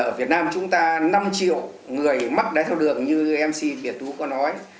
ở việt nam chúng ta năm triệu người mắc đáy thao đường như mc việt tú có nói